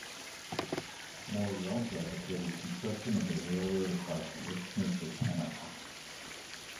Maury also advocated construction of a railroad across the Isthmus of Panama.